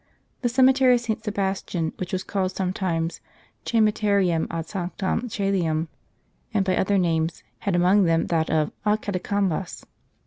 * The cemetery of St. Sebastian, which was called sometimes Ccemeterium ad Sandmn CceciUam,\ and by other names, had among them that of Ad Catacumbas.